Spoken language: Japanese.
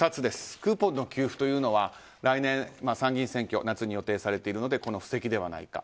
クーポンの給付というのは来年、参議院選挙が夏に予定されているのでこの布石ではないか。